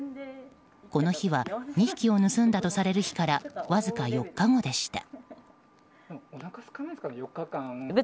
この日は２匹を盗んだとされる日からわずか４日後でした。